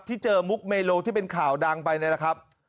ที่เจอมุกเมโลที่เป็นข่าวดังไปนี่แหละครับ